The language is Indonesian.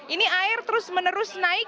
ini air terus menerus naik